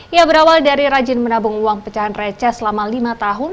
ia berawal dari rajin menabung uang pecahan receh selama lima tahun